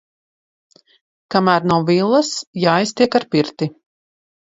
Kamēr nav villas, jāiztiek ar pirti.